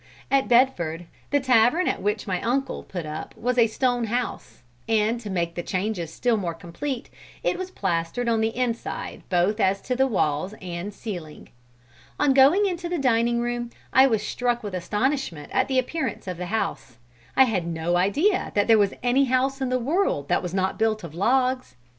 At Bedford, the tavern at which my uncle put up was a stone house, and to make the changes still more complete, it was plastered on the inside both as to the walls and ceiling. On going into the dining room, I was struck with astonishment at the appearance of the house. I had no idea that there was any house in the world that was not built of logs.